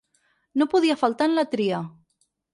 No podia faltar en la tria.